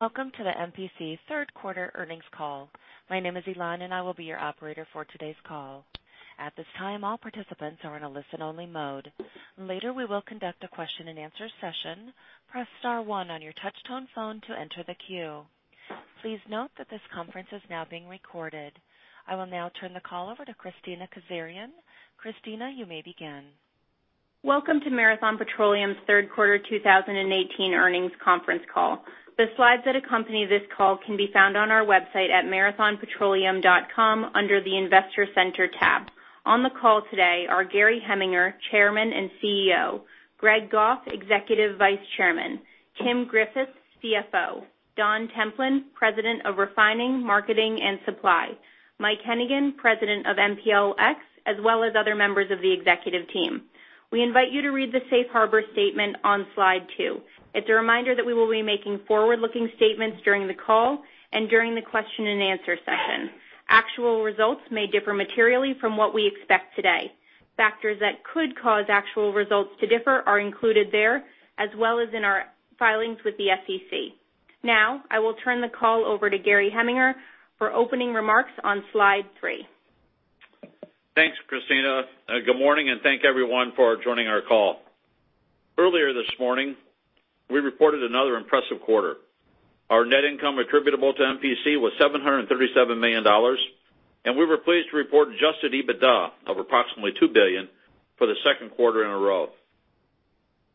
Welcome to the MPC third quarter earnings call. My name is Elan, and I will be your operator for today's call. At this time, all participants are in a listen-only mode. Later, we will conduct a question and answer session. Press star one on your touch-tone phone to enter the queue. Please note that this conference is now being recorded. I will now turn the call over to Kristina Kazarian. Kristina, you may begin. Welcome to Marathon Petroleum's third quarter 2018 earnings conference call. The slides that accompany this call can be found on our website at marathonpetroleum.com under the Investor Center tab. On the call today are Gary Heminger, Chairman and CEO; Greg Goff, Executive Vice Chairman; Tim Griffith, CFO; Don Templin, President of Refining, Marketing and Supply; Mike Hennigan, President of MPLX, as well as other members of the executive team. We invite you to read the safe harbor statement on slide two. It's a reminder that we will be making forward-looking statements during the call and during the question and answer session. Actual results may differ materially from what we expect today. Factors that could cause actual results to differ are included there, as well as in our filings with the SEC. I will turn the call over to Gary Heminger for opening remarks on slide three. Thanks, Kristina. Good morning, thank everyone for joining our call. Earlier this morning, we reported another impressive quarter. Our net income attributable to MPC was $737 million, and we were pleased to report adjusted EBITDA of approximately $2 billion for the second quarter in a row.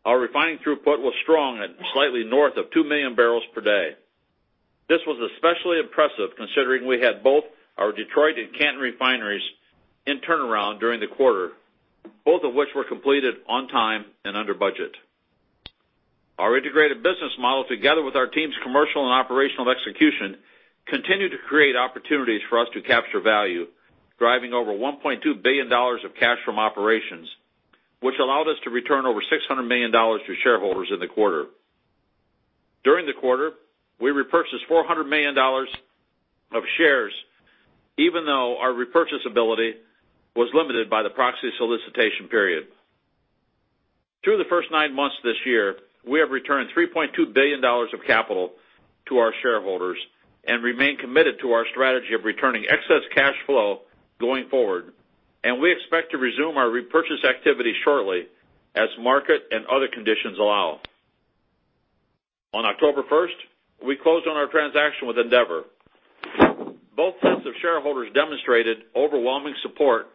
Our refining throughput was strong at slightly north of 2 million barrels per day. This was especially impressive considering we had both our Detroit and Canton refineries in turnaround during the quarter, both of which were completed on time and under budget. Our integrated business model, together with our team's commercial and operational execution, continued to create opportunities for us to capture value, driving over $1.2 billion of cash from operations, which allowed us to return over $600 million to shareholders in the quarter. During the quarter, we repurchased $400 million of shares, even though our repurchase ability was limited by the proxy solicitation period. Through the first nine months this year, we have returned $3.2 billion of capital to our shareholders, remain committed to our strategy of returning excess cash flow going forward, we expect to resume our repurchase activity shortly as market and other conditions allow. On October 1st, we closed on our transaction with Andeavor. Both sets of shareholders demonstrated overwhelming support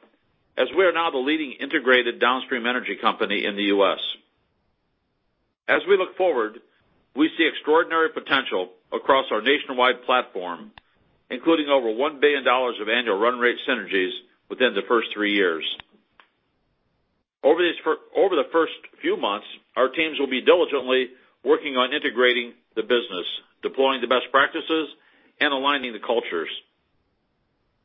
as we are now the leading integrated downstream energy company in the U.S. As we look forward, we see extraordinary potential across our nationwide platform, including over $1 billion of annual run rate synergies within the first three years. Over the first few months, our teams will be diligently working on integrating the business, deploying the best practices, and aligning the cultures.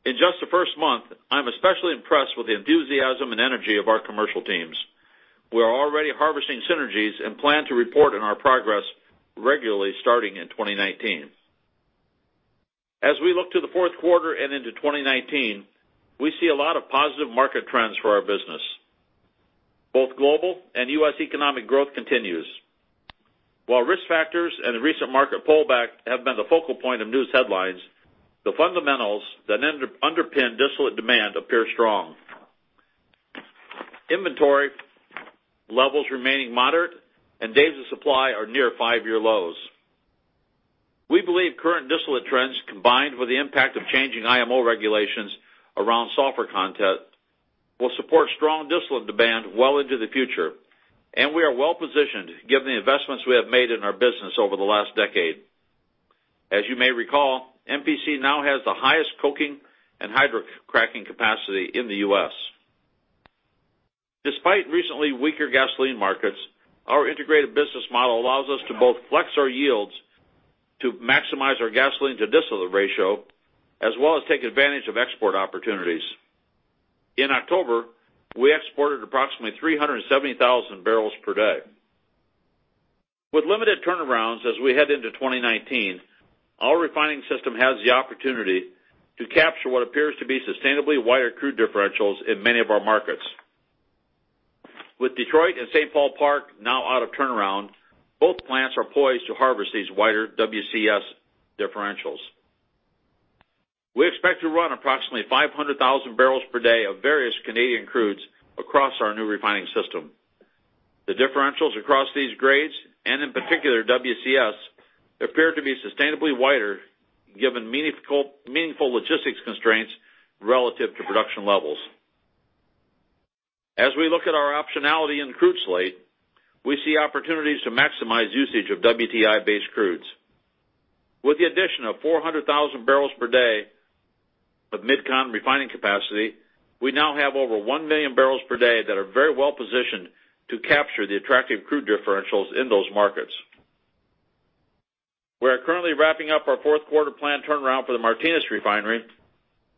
In just the first month, I'm especially impressed with the enthusiasm and energy of our commercial teams. We are already harvesting synergies and plan to report on our progress regularly starting in 2019. As we look to the fourth quarter and into 2019, we see a lot of positive market trends for our business. Both global and U.S. economic growth continues. While risk factors and recent market pullback have been the focal point of news headlines, the fundamentals that underpin distillate demand appear strong. Inventory levels remaining moderate and days of supply are near five-year lows. We believe current distillate trends, combined with the impact of changing IMO regulations around sulfur content, will support strong distillate demand well into the future, and we are well-positioned given the investments we have made in our business over the last decade. As you may recall, MPC now has the highest coking and hydrocracking capacity in the U.S. Despite recently weaker gasoline markets, our integrated business model allows us to both flex our yields to maximize our gasoline-to-distillate ratio, as well as take advantage of export opportunities. In October, we exported approximately 370,000 barrels per day. With limited turnarounds as we head into 2019, our refining system has the opportunity to capture what appears to be sustainably wider crude differentials in many of our markets. With Detroit and St. Paul Park now out of turnaround, both plants are poised to harvest these wider WCS differentials. We expect to run approximately 500,000 barrels per day of various Canadian crudes across our new refining system. The differentials across these grades, and in particular WCS, appear to be sustainably wider given meaningful logistics constraints relative to production levels. As we look at our optionality in the crude slate, we see opportunities to maximize usage of WTI-based crudes. With the addition of 400,000 barrels per day of MidCon refining capacity, we now have over 1 million barrels per day that are very well positioned to capture the attractive crude differentials in those markets. We are currently wrapping up our fourth quarter plan turnaround for the Martinez refinery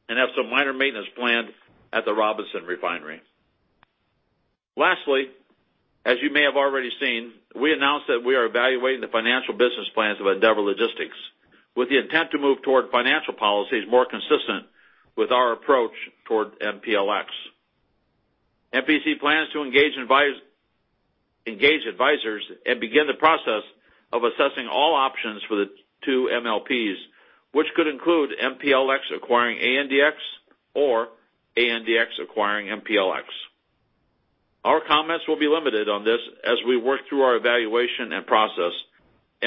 and have some minor maintenance planned at the Robinson refinery. Lastly, as you may have already seen, we announced that we are evaluating the financial business plans of Andeavor Logistics with the intent to move toward financial policies more consistent with our approach toward MPLX. MPC plans to engage advisors and begin the process of assessing all options for the two MLPs, which could include MPLX acquiring ANDX or ANDX acquiring MPLX. Our comments will be limited on this as we work through our evaluation and process.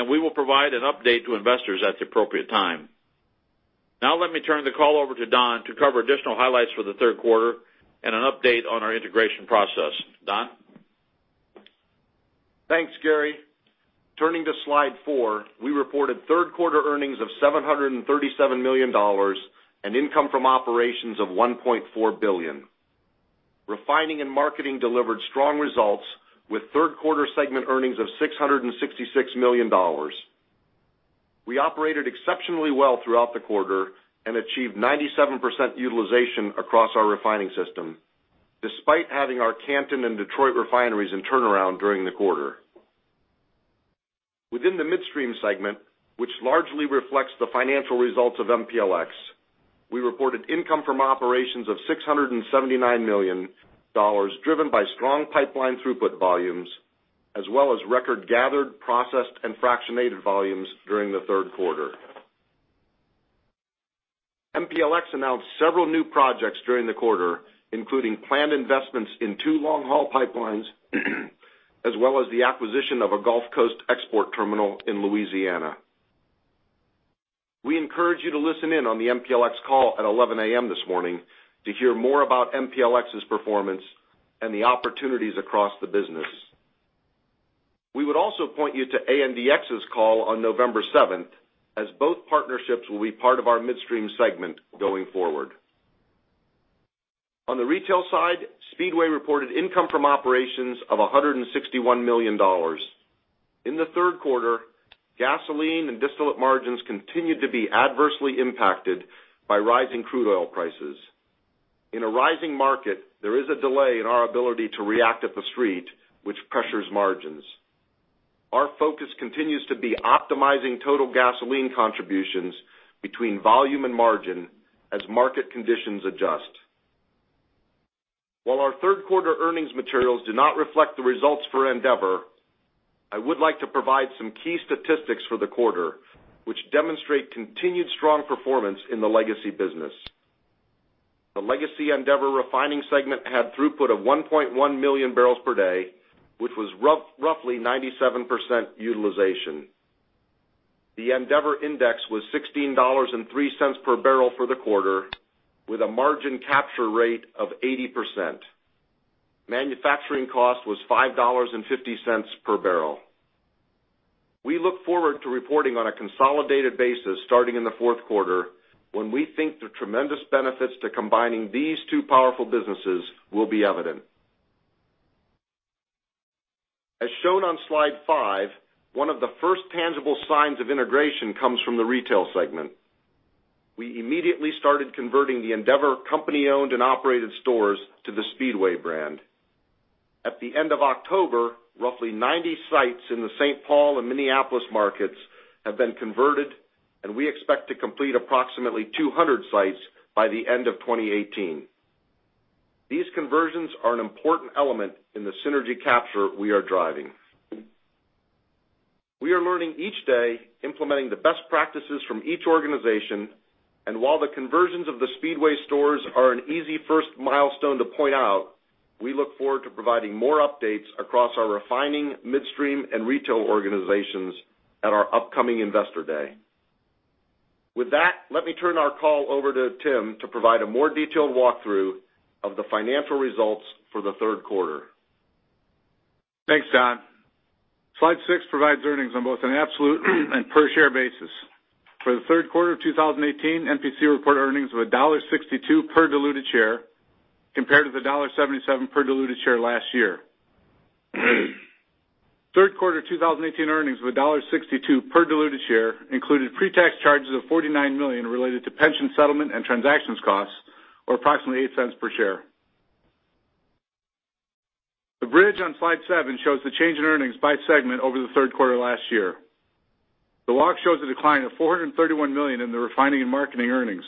We will provide an update to investors at the appropriate time. Now let me turn the call over to Don to cover additional highlights for the third quarter and an update on our integration process. Don? Thanks, Gary. Turning to slide four, we reported third-quarter earnings of $737 million and income from operations of $1.4 billion. Refining and marketing delivered strong results with third-quarter segment earnings of $666 million. We operated exceptionally well throughout the quarter and achieved 97% utilization across our refining system, despite having our Canton and Detroit refineries in turnaround during the quarter. Within the midstream segment, which largely reflects the financial results of MPLX, we reported income from operations of $679 million, driven by strong pipeline throughput volumes as well as record gathered, processed, and fractionated volumes during the third quarter. MPLX announced several new projects during the quarter, including planned investments in two long-haul pipelines, as well as the acquisition of a Gulf Coast export terminal in Louisiana. We encourage you to listen in on the MPLX call at 11:00 A.M. this morning to hear more about MPLX's performance and the opportunities across the business. We would also point you to ANDX's call on November 7th, as both partnerships will be part of our midstream segment going forward. On the retail side, Speedway reported income from operations of $161 million. In the third quarter, gasoline and distillate margins continued to be adversely impacted by rising crude oil prices. In a rising market, there is a delay in our ability to react at the street, which pressures margins. Our focus continues to be optimizing total gasoline contributions between volume and margin as market conditions adjust. While our third-quarter earnings materials do not reflect the results for Andeavor, I would like to provide some key statistics for the quarter, which demonstrate continued strong performance in the legacy business. The legacy Andeavor refining segment had throughput of 1.1 million barrels per day, which was roughly 97% utilization. The Andeavor Index was $16.03 per barrel for the quarter, with a margin capture rate of 80%. Manufacturing cost was $5.50 per barrel. We look forward to reporting on a consolidated basis starting in the fourth quarter, when we think the tremendous benefits to combining these two powerful businesses will be evident. As shown on slide five, one of the first tangible signs of integration comes from the retail segment. We immediately started converting the Andeavor company-owned and operated stores to the Speedway brand. At the end of October, roughly 90 sites in the St. Paul and Minneapolis markets have been converted, and we expect to complete approximately 200 sites by the end of 2018. These conversions are an important element in the synergy capture we are driving. While we are learning each day, implementing the best practices from each organization, the conversions of the Speedway stores are an easy first milestone to point out. We look forward to providing more updates across our refining, midstream, and retail organizations at our upcoming Investor Day. With that, let me turn our call over to Tim to provide a more detailed walkthrough of the financial results for the third quarter. Thanks, Don. Slide six provides earnings on both an absolute and per-share basis. For the third quarter of 2018, MPC reported earnings of $1.62 per diluted share compared to $1.77 per diluted share last year. Third quarter 2018 earnings of $1.62 per diluted share included pre-tax charges of $49 million related to pension settlement and transactions costs, or approximately $0.08 per share. The bridge on slide seven shows the change in earnings by segment over the third quarter last year. The walk shows a decline of $431 million in the refining and marketing earnings.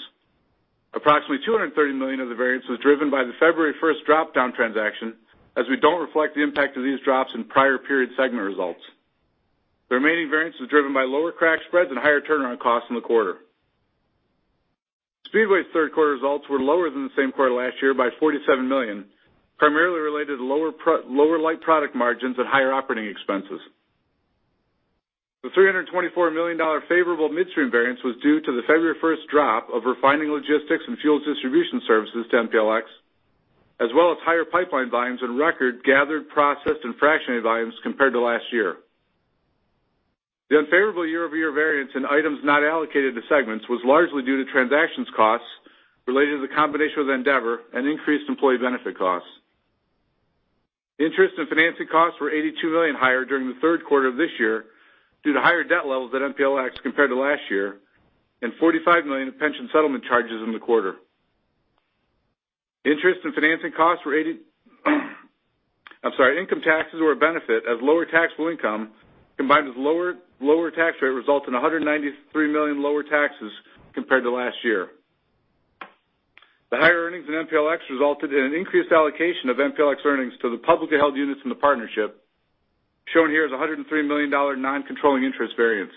Approximately $230 million of the variance was driven by the February 1st drop-down transaction, as we don't reflect the impact of these drops in prior period segment results. The remaining variance was driven by lower crack spreads and higher turnaround costs in the quarter. Speedway's third-quarter results were lower than the same quarter last year by $47 million, primarily related to lower light product margins and higher operating expenses. The $324 million favorable midstream variance was due to the February 1st drop of refining logistics and fuels distribution services to MPLX, as well as higher pipeline volumes and record gathered, processed, and fractionated volumes compared to last year. The unfavorable year-over-year variance in items not allocated to segments was largely due to transactions costs related to the combination with Andeavor and increased employee benefit costs. Interest and financing costs were $82 million higher during the third quarter of this year due to higher debt levels at MPLX compared to last year and $45 million in pension settlement charges in the quarter. Income taxes were a benefit as lower taxable income, combined with lower tax rate, result in $193 million lower taxes compared to last year. The higher earnings in MPLX resulted in an increased allocation of MPLX earnings to the publicly held units in the partnership. Shown here is a $103 million non-controlling interest variance.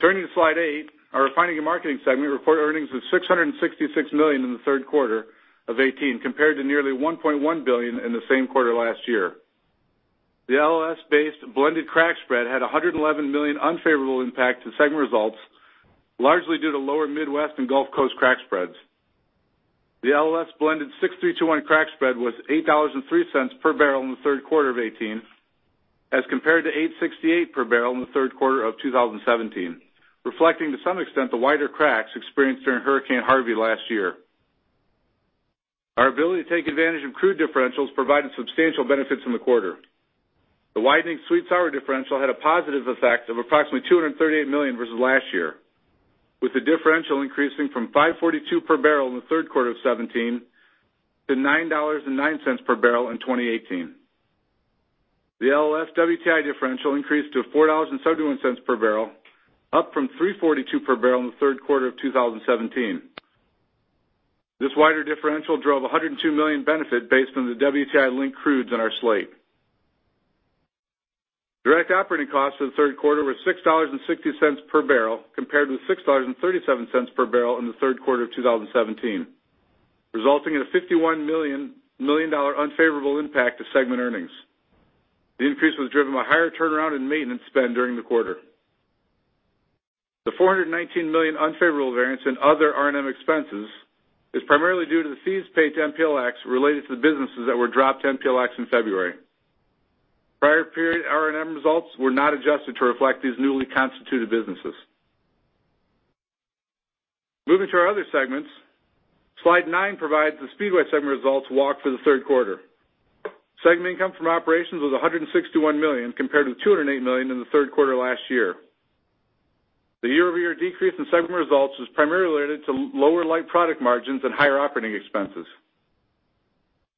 Turning to slide eight, our refining and marketing segment reported earnings of $666 million in the third quarter of 2018 compared to nearly $1.1 billion in the same quarter last year. The LLS-based blended crack spread had $111 million unfavorable impact to segment results, largely due to lower Midwest and Gulf Coast crack spreads. The LLS blended 6-3-2-1 crack spread was $8.03 per barrel in the third quarter of 2018 as compared to $8.68 per barrel in the third quarter of 2017, reflecting to some extent the wider cracks experienced during Hurricane Harvey last year. Our ability to take advantage of crude differentials provided substantial benefits in the quarter. The widening sweet sour differential had a positive effect of approximately $238 million versus last year, with the differential increasing from $5.42 per barrel in the third quarter of 2017 to $9.09 per barrel in 2018. The LLS WTI differential increased to $4.71 per barrel, up from $3.42 per barrel in the third quarter of 2017. This wider differential drove $102 million benefit based on the WTI linked crudes in our slate. Direct operating costs for the third quarter were $6.60 per barrel compared with $6.37 per barrel in the third quarter of 2017, resulting in a $51 million unfavorable impact to segment earnings. The increase was driven by higher turnaround in maintenance spend during the quarter. The $419 million unfavorable variance in other R&M expenses is primarily due to the fees paid to MPLX related to the businesses that were dropped to MPLX in February. Prior period R&M results were not adjusted to reflect these newly constituted businesses. Moving to our other segments, slide nine provides the Speedway segment results walk for the third quarter. Segment income from operations was $161 million compared to $208 million in the third quarter last year. The year-over-year decrease in segment results was primarily related to lower light product margins and higher operating expenses.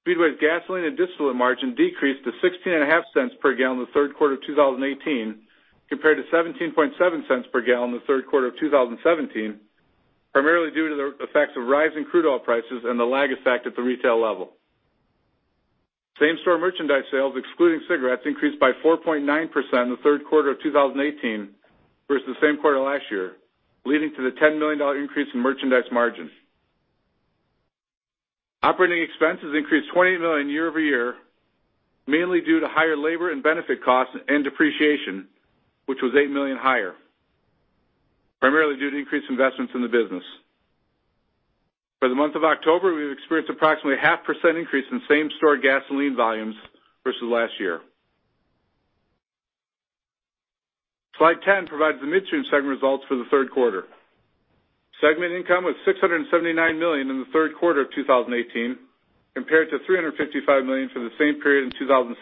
Speedway's gasoline and distillate margin decreased to $0.165 per gallon in the third quarter of 2018 compared to $0.177 per gallon in the third quarter of 2017, primarily due to the effects of rising crude oil prices and the lag effect at the retail level. Same-store merchandise sales, excluding cigarettes, increased by 4.9% in the third quarter of 2018 versus the same quarter last year, leading to the $10 million increase in merchandise margin. Operating expenses increased $28 million year-over-year, mainly due to higher labor and benefit costs and depreciation, which was $8 million higher, primarily due to increased investments in the business. For the month of October, we've experienced approximately a 0.5% increase in same-store gasoline volumes versus last year. Slide 10 provides the midstream segment results for the third quarter. Segment income was $679 million in the third quarter of 2018 compared to $355 million for the same period in 2017.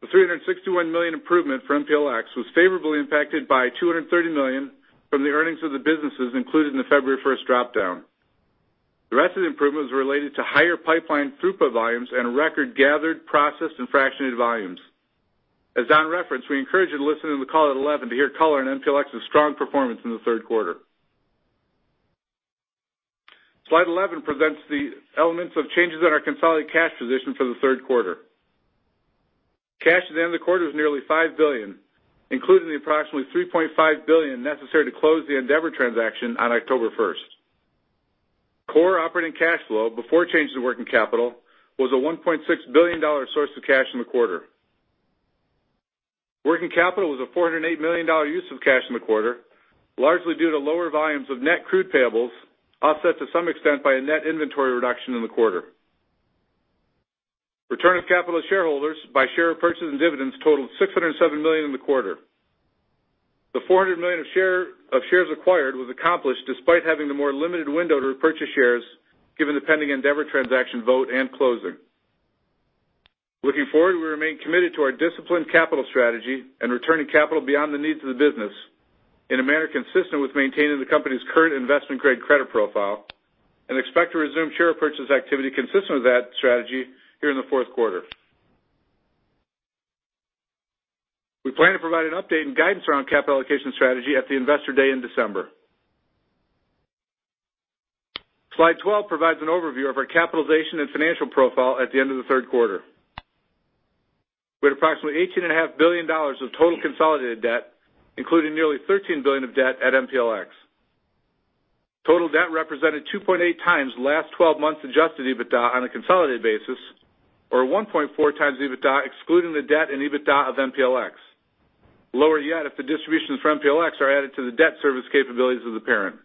The $361 million improvement from MPLX was favorably impacted by $230 million from the earnings of the businesses included in the February 1st drop down. The rest of the improvements were related to higher pipeline throughput volumes and record gathered, processed, and fractionated volumes. As Don referenced, we encourage you to listen in the call at 11:00 A.M. to hear color on MPLX's strong performance in the third quarter. Slide 11 presents the elements of changes in our consolidated cash position for the third quarter. Cash at the end of the quarter was nearly $5 billion, including the approximately $3.5 billion necessary to close the Andeavor transaction on October 1st. Core operating cash flow before change to working capital was a $1.6 billion source of cash in the quarter. Working capital was a $408 million use of cash in the quarter, largely due to lower volumes of net crude payables, offset to some extent by a net inventory reduction in the quarter. Return of capital to shareholders by share purchases and dividends totaled $607 million in the quarter. The $400 million of shares acquired was accomplished despite having the more limited window to repurchase shares given the pending Andeavor transaction vote and closing. Looking forward, we remain committed to our disciplined capital strategy and returning capital beyond the needs of the business in a manner consistent with maintaining the company's current investment-grade credit profile and expect to resume share purchase activity consistent with that strategy here in the fourth quarter. We plan to provide an update and guidance around capital allocation strategy at the Investor Day in December. Slide 12 provides an overview of our capitalization and financial profile at the end of the third quarter. We had approximately $18.5 billion of total consolidated debt, including nearly $13 billion of debt at MPLX. Total debt represented 2.8 times last 12 months adjusted EBITDA on a consolidated basis, or 1.4 times EBITDA excluding the debt and EBITDA of MPLX. Lower yet, if the distributions from MPLX are added to the debt service capabilities of the parent.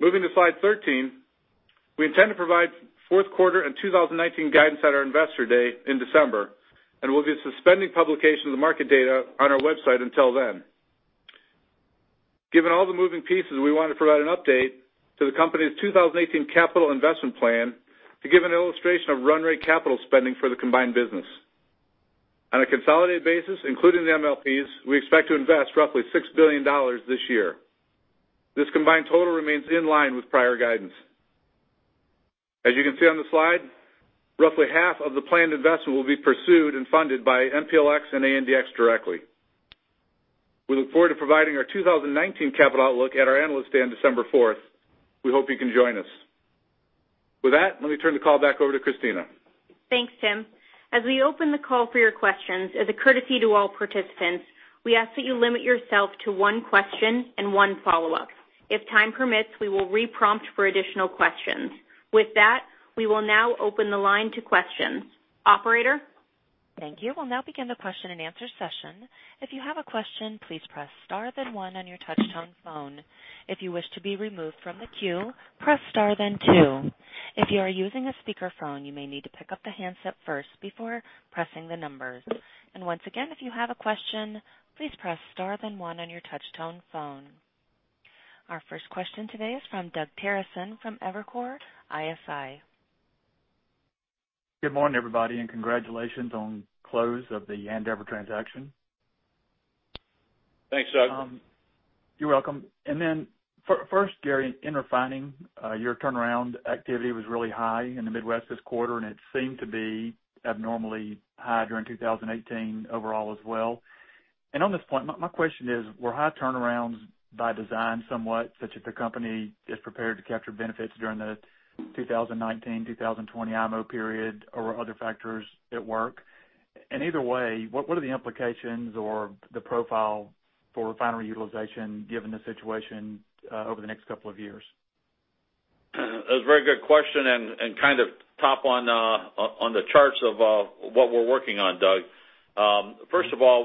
Moving to slide 13, we intend to provide fourth quarter and 2019 guidance at our Investor Day in December. We'll be suspending publication of the market data on our website until then. Given all the moving pieces, we want to provide an update to the company's 2018 capital investment plan to give an illustration of run rate capital spending for the combined business. On a consolidated basis, including the MLPs, we expect to invest roughly $6 billion this year. This combined total remains in line with prior guidance. As you can see on the slide, roughly half of the planned investment will be pursued and funded by MPLX and ANDX directly. We look forward to providing our 2019 capital outlook at our Analyst Day on December 4th. We hope you can join us. With that, let me turn the call back over to Kristina. Thanks, Tim. As we open the call for your questions, as a courtesy to all participants, we ask that you limit yourself to one question and one follow-up. If time permits, we will re-prompt for additional questions. With that, we will now open the line to questions. Operator? Thank you. We'll now begin the question and answer session. If you have a question, please press star then one on your touchtone phone. If you wish to be removed from the queue, press star then two. If you are using a speakerphone, you may need to pick up the handset first before pressing the numbers. Once again, if you have a question, please press star then one on your touchtone phone. Our first question today is from Doug Terreson from Evercore ISI. Good morning, everybody. Congratulations on the close of the Andeavor transaction. Thanks, Doug. You're welcome. First, Gary, in refining, your turnaround activity was really high in the Midwest this quarter, and it seemed to be abnormally high during 2018 overall as well. On this point, my question is, were high turnarounds by design somewhat, such that the company is prepared to capture benefits during the 2019, 2020 IMO period, or were other factors at work? Either way, what are the implications or the profile for refinery utilization given the situation over the next couple of years? That's a very good question and kind of top on the charts of what we're working on, Doug. First of all,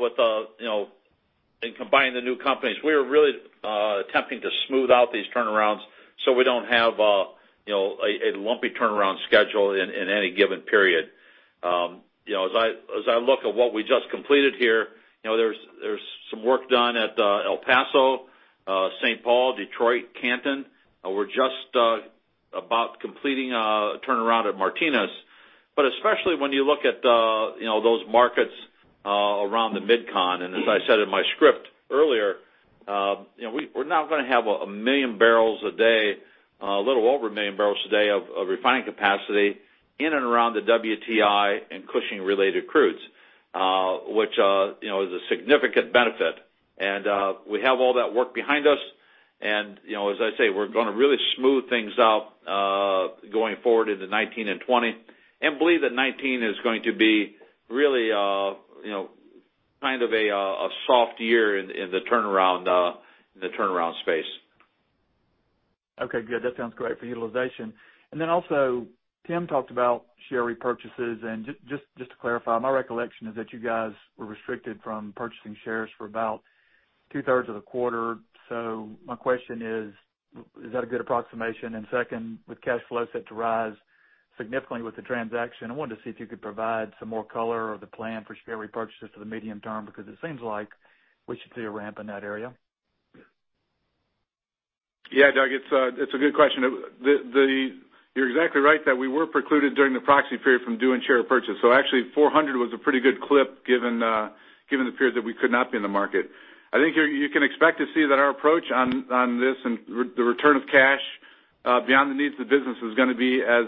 in combining the new companies, we are really attempting to smooth out these turnarounds so we don't have a lumpy turnaround schedule in any given period. As I look at what we just completed here, there's some work done at El Paso, St. Paul, Detroit, Canton. We're just about completing a turnaround at Martinez. Especially when you look at those markets around the MidCon, as I said in my script earlier, we're now going to have a little over a million barrels a day of refining capacity in and around the WTI and Cushing-related crudes, which is a significant benefit. We have all that work behind us. As I say, we're going to really smooth things out going forward into 2019 and 2020, and believe that 2019 is going to be really kind of a soft year in the turnaround space. Okay, good. That sounds great for utilization. Tim talked about share repurchases, just to clarify, my recollection is that you guys were restricted from purchasing shares for about two-thirds of the quarter. Is that a good approximation? With cash flow set to rise significantly with the transaction, I wanted to see if you could provide some more color or the plan for share repurchases for the medium term, because it seems like we should see a ramp in that area. Doug, it's a good question. You're exactly right that we were precluded during the proxy period from doing share purchases. $400 was a pretty good clip given the period that we could not be in the market. I think you can expect to see that our approach on this and the return of cash beyond the needs of the business is going to be as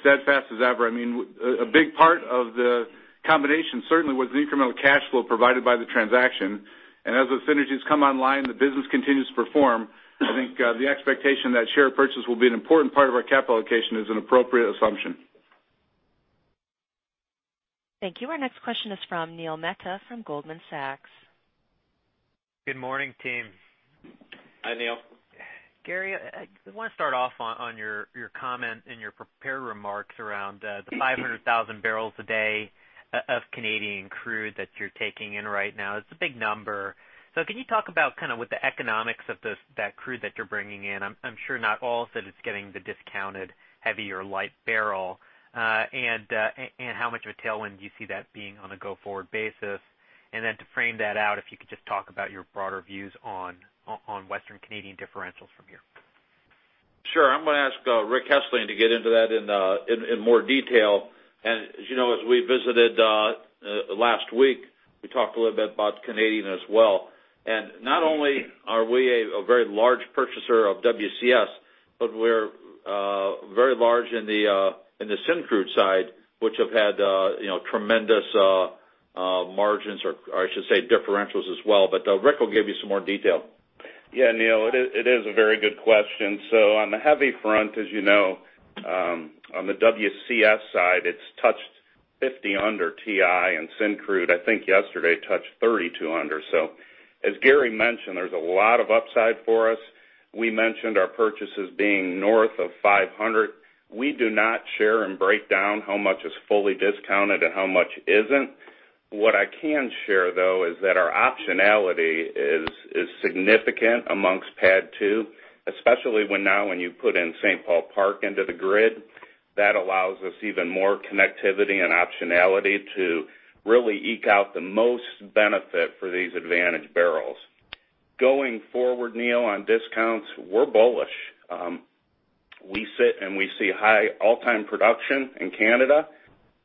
steadfast as ever. A big part of the combination certainly was the incremental cash flow provided by the transaction. As those synergies come online, the business continues to perform. I think the expectation that share purchase will be an important part of our capital allocation is an appropriate assumption. Thank you. Our next question is from Neil Mehta from Goldman Sachs. Good morning, team. Hi, Neil. Gary, I want to start off on your comment in your prepared remarks around the 500,000 barrels a day of Canadian crude that you're taking in right now. It's a big number. Can you talk about kind of what the economics of that crude that you're bringing in? I'm sure not all of it is getting the discounted heavy or light barrel. How much of a tailwind do you see that being on a go-forward basis? To frame that out, if you could just talk about your broader views on Western Canadian differentials from here. Sure. I'm going to ask Rick Hessling to get into that in more detail. As you know, as we visited last week, we talked a little bit about Canadian as well. Not only are we a very large purchaser of WCS, but we're very large in the syncrude side, which have had tremendous margins, or I should say, differentials as well. Rick will give you some more detail. Neil, it is a very good question. On the heavy front, as you know, on the WCS side, it's touched 50 under WTI, and syncrude, I think yesterday touched 32 under. As Gary mentioned, there's a lot of upside for us. We mentioned our purchases being north of 500. We do not share and break down how much is fully discounted and how much isn't. What I can share, though, is that our optionality is significant amongst PADD 2, especially when now when you put in St. Paul Park into the grid. That allows us even more connectivity and optionality to really eke out the most benefit for these advantage barrels. Going forward, Neil, on discounts, we're bullish. We sit and we see high all-time production in Canada.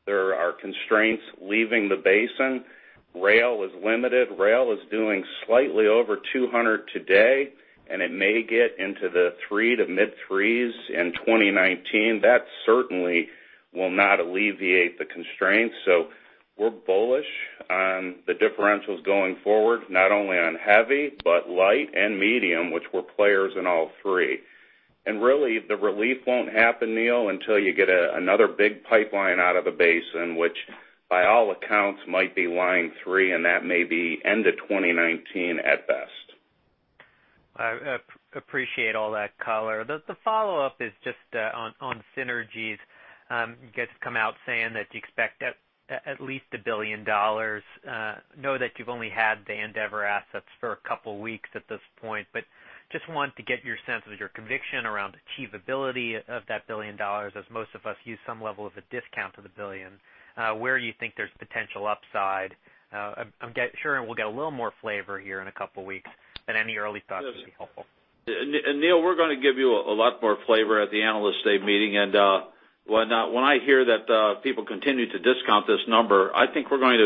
There are constraints leaving the basin. Rail is limited. Rail is doing slightly over 200 today. It may get into the 3 to mid 3s in 2019. That certainly will not alleviate the constraints. We're bullish on the differentials going forward, not only on heavy, but light and medium, which we're players in all three. Really, the relief won't happen, Neil, until you get another big pipeline out of the basin, which by all accounts might be Line 3, and that may be end of 2019 at best. I appreciate all that color. The follow-up is just on synergies. You guys come out saying that you expect at least $1 billion. I know that you've only had the Andeavor assets for a couple of weeks at this point, just wanted to get your sense of your conviction around achievability of that $1 billion, as most of us use some level of a discount to the $1 billion. Where you think there's potential upside. I'm sure we'll get a little more flavor here in a couple of weeks, any early thoughts would be helpful. Neil, we're going to give you a lot more flavor at the Analyst Day meeting. When I hear that people continue to discount this number, I think we're going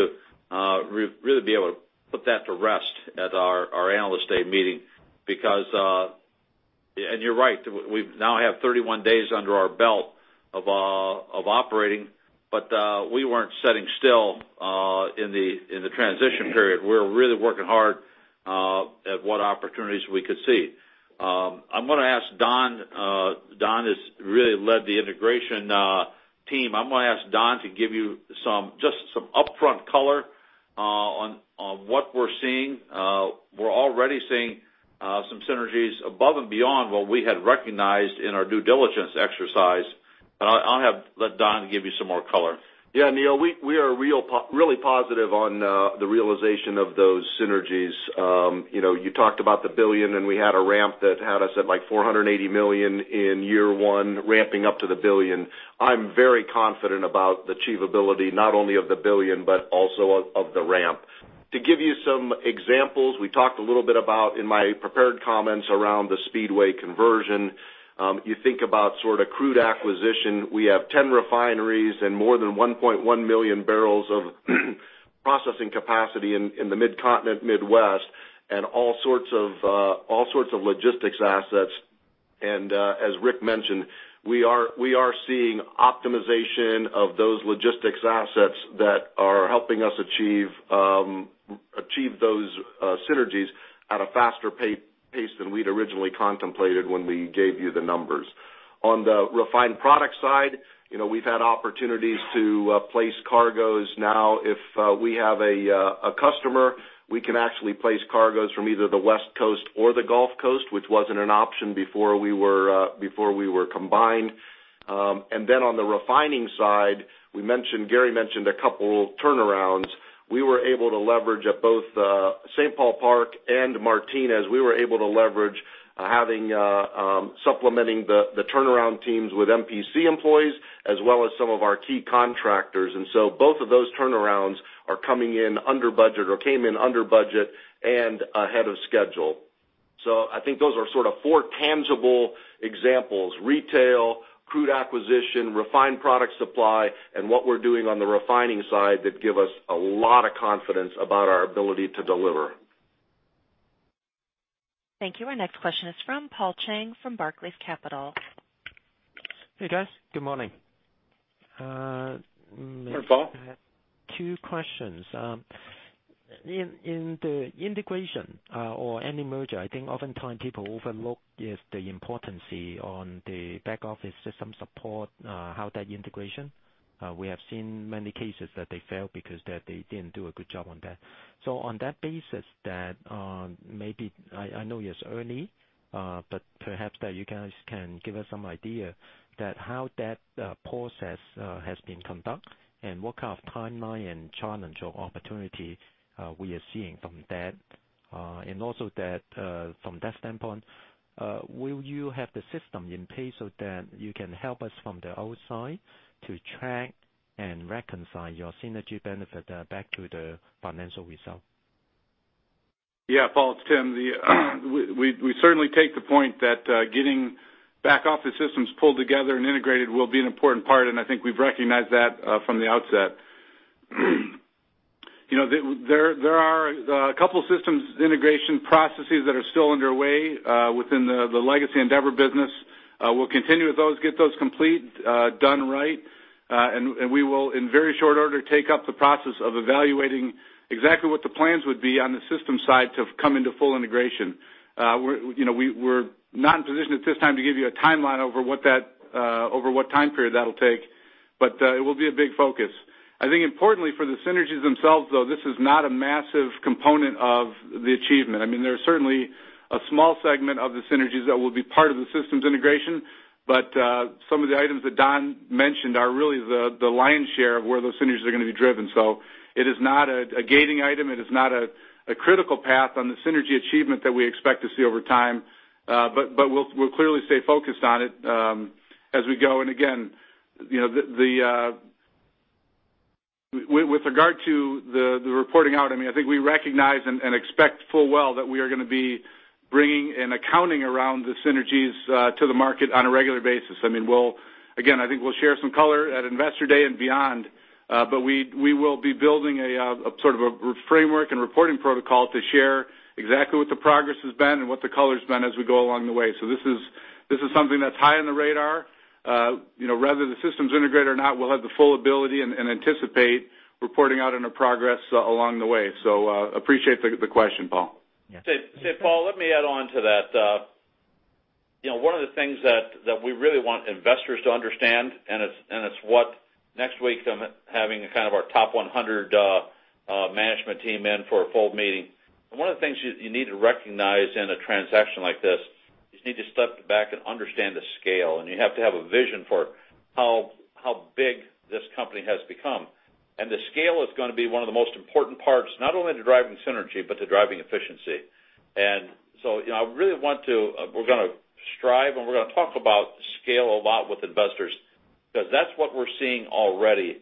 to really be able to put that to rest at our Analyst Day meeting because. You're right. We now have 31 days under our belt of operating, we weren't sitting still in the transition period. We were really working hard at what opportunities we could see. I'm going to ask Don. Don has really led the integration team. I'm going to ask Don to give you just some upfront color on what we're seeing. We're already seeing some synergies above and beyond what we had recognized in our due diligence exercise, I'll let Don give you some more color. Neil, we are really positive on the realization of those synergies. You talked about the billion, we had a ramp that had us at $480 million in year one, ramping up to the billion. I'm very confident about the achievability, not only of the billion, but also of the ramp. To give you some examples, we talked a little bit about, in my prepared comments, around the Speedway conversion. You think about crude acquisition. We have 10 refineries and more than 1.1 million barrels of processing capacity in the mid-continent Midwest and all sorts of logistics assets. As Rick mentioned, we are seeing optimization of those logistics assets that are helping us achieve those synergies at a faster pace than we'd originally contemplated when we gave you the numbers. On the refined product side, we've had opportunities to place cargoes now. If we have a customer, we can actually place cargoes from either the West Coast or the Gulf Coast, which wasn't an option before we were combined. On the refining side, Gary mentioned a couple turnarounds. We were able to leverage at both St. Paul Park and Martinez. We were able to leverage supplementing the turnaround teams with MPC employees as well as some of our key contractors. Both of those turnarounds are coming in under budget or came in under budget and ahead of schedule. I think those are sort of four tangible examples, retail, crude acquisition, refined product supply, and what we're doing on the refining side that give us a lot of confidence about our ability to deliver. Thank you. Our next question is from Paul Cheng from Barclays Capital. Hey, guys. Good morning. Good morning, Paul. Two questions. In the integration or any merger, I think oftentimes people overlook is the importance on the back office system support, how that integration. We have seen many cases that they fail because they didn't do a good job on that. On that basis, I know it's early, but perhaps that you guys can give us some idea that how that process has been conducted and what kind of timeline and challenge or opportunity we are seeing from that. Also from that standpoint, will you have the system in place so that you can help us from the outside to track and reconcile your synergy benefit back to the financial result? Yeah, Paul, it's Tim. We certainly take the point that getting back office systems pulled together and integrated will be an important part, and I think we've recognized that from the outset. There are a couple of systems integration processes that are still underway within the legacy Andeavor business. We'll continue with those, get those complete, done right. We will, in very short order, take up the process of evaluating exactly what the plans would be on the system side to come into full integration. We're not in position at this time to give you a timeline over what time period that'll take, but it will be a big focus. I think importantly for the synergies themselves, though, this is not a massive component of the achievement. There's certainly a small segment of the synergies that will be part of the systems integration, but some of the items that Don mentioned are really the lion's share of where those synergies are going to be driven. It is not a gating item. It is not a critical path on the synergy achievement that we expect to see over time. We'll clearly stay focused on it as we go. With regard to the reporting out, I think we recognize and expect full well that we are going to be bringing and accounting around the synergies to the market on a regular basis. Again, I think we'll share some color at Investor Day and beyond, but we will be building a sort of a framework and reporting protocol to share exactly what the progress has been and what the color's been as we go along the way. This is something that's high on the radar. Rather the systems integrate or not, we'll have the full ability and anticipate reporting out on the progress along the way. Appreciate the question, Paul. Yeah. Paul, let me add on to that. One of the things that we really want investors to understand, and it's what next week I'm having kind of our top 100 management team in for a full meeting. One of the things you need to recognize in a transaction like this is you need to step back and understand the scale, and you have to have a vision for how big this company has become. The scale is going to be one of the most important parts, not only to driving synergy, but to driving efficiency. We're going to strive, and we're going to talk about scale a lot with investors, because that's what we're seeing already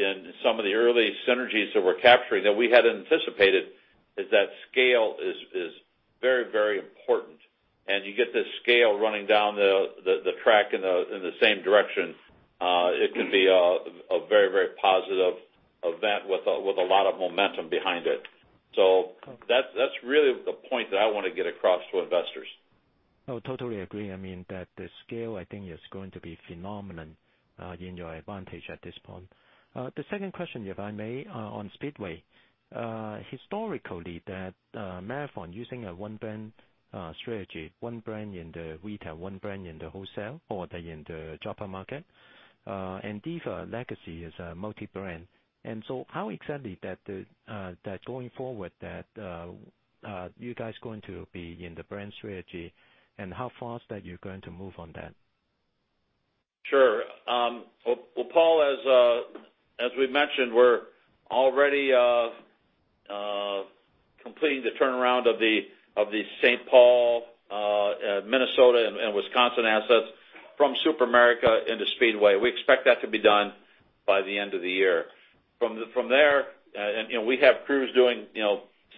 in some of the early synergies that we're capturing that we hadn't anticipated, is that scale is very important. You get this scale running down the track in the same direction it can be a very positive event with a lot of momentum behind it. That's really the point that I want to get across to investors. No, totally agree. That the scale, I think, is going to be phenomenon in your advantage at this point. The second question, if I may, on Speedway. Historically, Marathon using a one brand strategy, one brand in the retail, one brand in the wholesale or in the jobber market. Andeavor Legacy is a multi-brand. How exactly that going forward that you guys going to be in the brand strategy, and how fast are you going to move on that? Sure. Well, Paul, as we mentioned, we're already completing the turnaround of the St. Paul, Minnesota, and Wisconsin assets from SuperAmerica into Speedway. We expect that to be done by the end of the year. From there, we have crews doing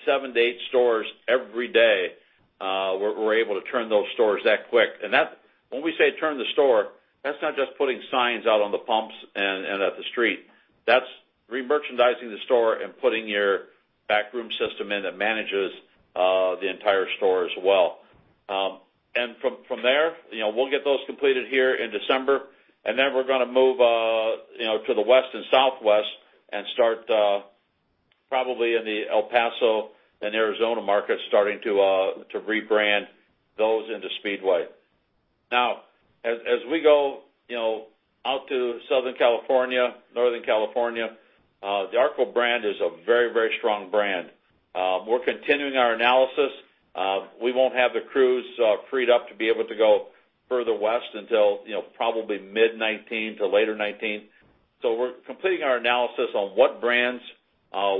seven to eight stores every day. We're able to turn those stores that quick. When we say turn the store, that's not just putting signs out on the pumps and at the street. That's remerchandising the store and putting your back room system in that manages the entire store as well. From there, we'll get those completed here in December, then we're going to move to the West and Southwest and start probably in the El Paso and Arizona market, starting to rebrand those into Speedway. As we go out to Southern California, Northern California, the ARCO brand is a very strong brand. We're continuing our analysis. We won't have the crews freed up to be able to go further west until probably mid 2019 to later 2019. We're completing our analysis on what brands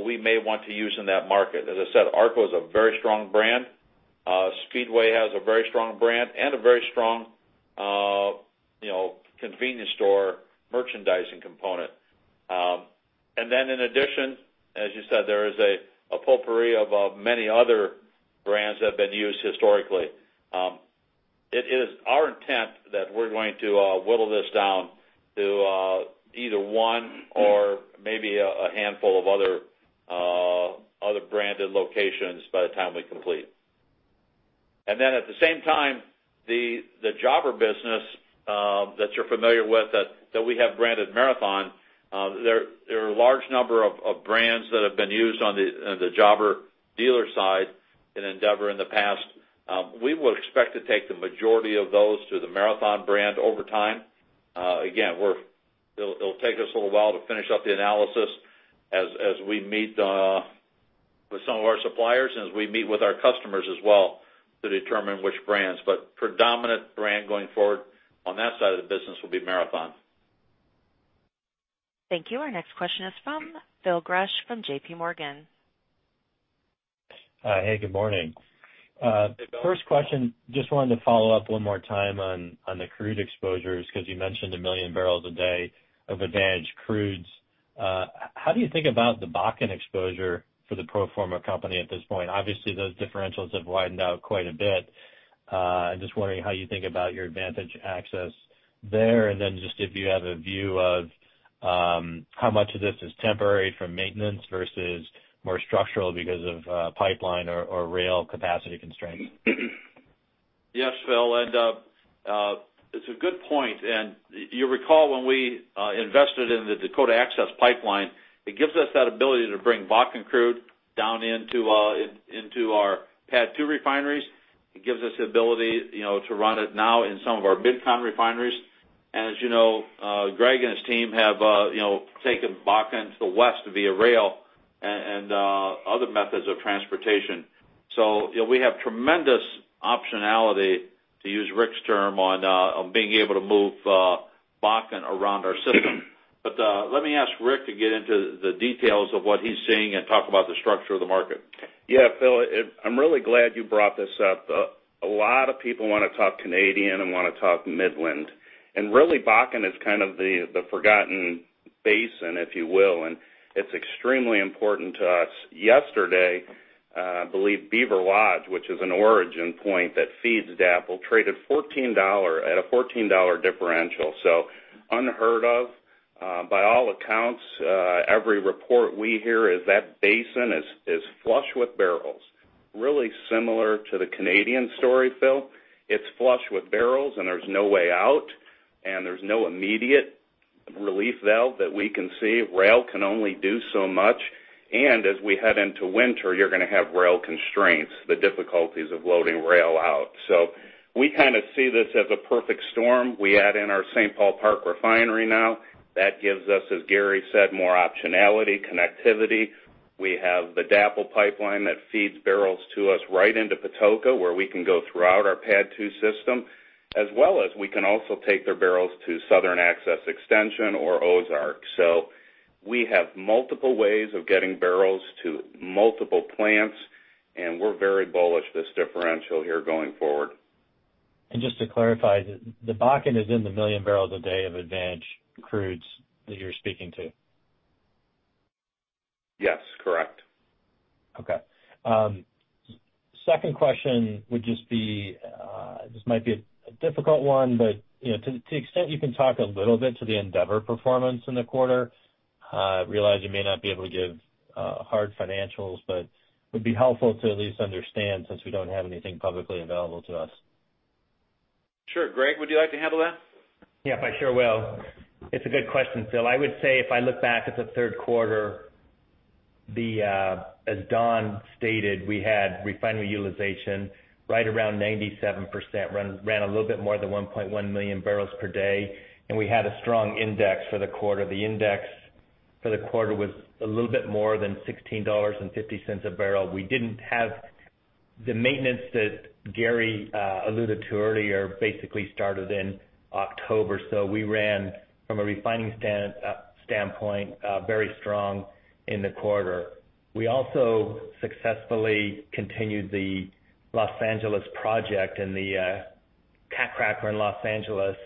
we may want to use in that market. As I said, ARCO is a very strong brand. Speedway has a very strong brand and a very strong convenience store merchandising component. In addition, as you said, there is a potpourri of many other brands that have been used historically. It is our intent that we're going to whittle this down to either one or maybe a handful of other branded locations by the time we complete. At the same time, the jobber business that you're familiar with that we have branded Marathon, there are a large number of brands that have been used on the jobber dealer side in Andeavor in the past. We will expect to take the majority of those to the Marathon brand over time. Again, it'll take us a little while to finish up the analysis as we meet with some of our suppliers and as we meet with our customers as well to determine which brands. Predominant brand going forward on that side of the business will be Marathon. Thank you. Our next question is from Phil Gresh from JPMorgan. Hi, good morning. Hey, Phil. First question, just wanted to follow up one more time on the crude exposures, because you mentioned 1 million barrels a day of advantage crudes. How do you think about the Bakken exposure for the pro forma company at this point? Obviously, those differentials have widened out quite a bit. I'm just wondering how you think about your advantage access there, and then just if you have a view of how much of this is temporary from maintenance versus more structural because of pipeline or rail capacity constraints. Yes, Phil. It's a good point. You recall when we invested in the Dakota Access Pipeline, it gives us that ability to bring Bakken crude down into our PADD 2 refineries. It gives us the ability to run it now in some of our mid-con refineries. As you know, Greg and his team have taken Bakken to the west via rail and other methods of transportation. We have tremendous optionality, to use Rick's term, on being able to move Bakken around our system. Let me ask Rick to get into the details of what he's seeing and talk about the structure of the market. Phil, I'm really glad you brought this up. A lot of people want to talk Canadian and want to talk Midland, really Bakken is kind of the forgotten basin, if you will, and it's extremely important to us. Yesterday, I believe Beaver Lodge, which is an origin point that feeds DAPL, traded at a $14 differential. Unheard of. By all accounts, every report we hear is that basin is flush with barrels. Really similar to the Canadian story, Phil. It's flush with barrels and there's no way out, and there's no immediate relief valve that we can see. Rail can only do so much, and as we head into winter, you're going to have rail constraints, the difficulties of loading rail out. We kind of see this as a perfect storm. We add in our St. Paul Park refinery now. That gives us, as Gary said, more optionality, connectivity. We have the DAPL pipeline that feeds barrels to us right into Patoka, where we can go throughout our PADD 2 system, as well as we can also take their barrels to Southern Access Extension or Ozark. We have multiple ways of getting barrels to multiple plants, and we're very bullish this differential here going forward. Just to clarify, the Bakken is in the million barrels a day of advantage crudes that you're speaking to? Yes, correct. Okay. Second question would just be, this might be a difficult one, but to the extent you can talk a little bit to the Andeavor performance in the quarter. I realize you may not be able to give hard financials, but it would be helpful to at least understand since we don't have anything publicly available to us. Sure. Greg, would you like to handle that? Yeah, I sure will. It's a good question, Phil. I would say if I look back at the third quarter, as Don stated, we had refinery utilization right around 97%, ran a little bit more than 1.1 million barrels per day. We had a strong index for the quarter. The index for the quarter was a little bit more than $16.50 a barrel. The maintenance that Gary alluded to earlier basically started in October. We ran from a refining standpoint very strong in the quarter. We also successfully continued the Los Angeles project and the cat cracker in Los Angeles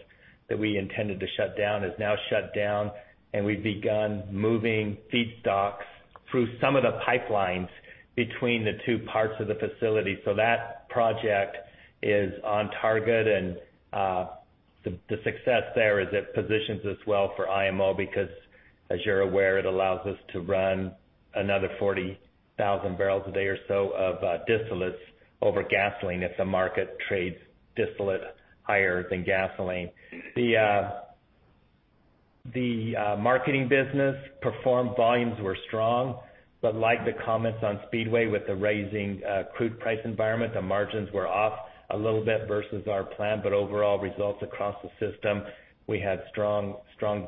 that we intended to shut down is now shut down. We've begun moving feedstocks through some of the pipelines between the two parts of the facility. That project is on target. The success there is it positions us well for IMO because, as you're aware, it allows us to run another 40,000 barrels a day or so of distillates over gasoline if the market trades distillate higher than gasoline. The marketing business performed volumes were strong. Like the comments on Speedway with the raising crude price environment, the margins were off a little bit versus our plan. Overall results across the system, we had strong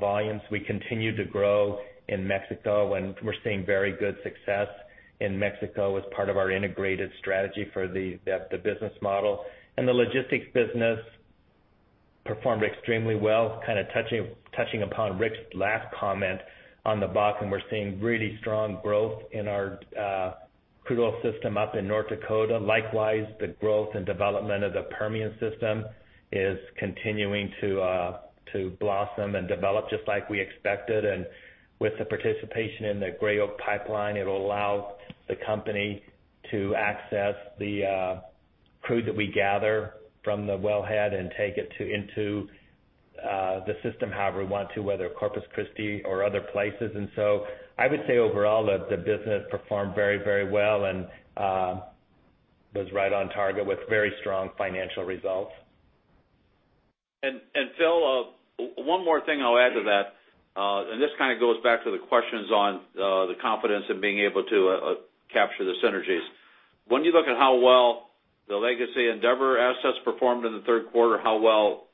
volumes. We continued to grow in Mexico. We're seeing very good success in Mexico as part of our integrated strategy for the business model. The logistics business performed extremely well. Kind of touching upon Rick's last comment on the Bakken, we're seeing really strong growth in our crude oil system up in North Dakota. Likewise, the growth and development of the Permian system is continuing to blossom and develop just like we expected. With the participation in the Gray Oak Pipeline, it allows the company to access the crude that we gather from the wellhead and take it into the system however we want to, whether Corpus Christi or other places. I would say overall that the business performed very well and was right on target with very strong financial results. Phil, one more thing I'll add to that, this kind of goes back to the questions on the confidence in being able to capture the synergies. When you look at how well the legacy Andeavor assets performed in the third quarter, how well